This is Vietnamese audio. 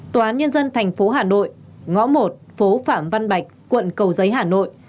tòa án nhân dân thành phố hà nội ngõ một phố phạm văn bạch quận cầu giấy hà nội